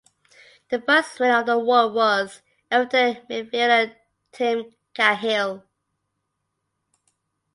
The first winner of the award was Everton midfielder Tim Cahill.